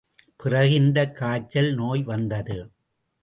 பிறகு இந்தக் காய்ச்சல் நோய் வந்தது.